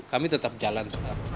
kami tetap jalan